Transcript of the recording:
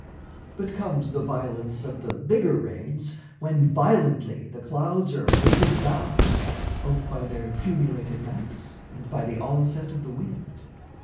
But comes the violence of the bigger rains When violently the clouds are weighted down Both by their cumulated mass and by The onset of the wind.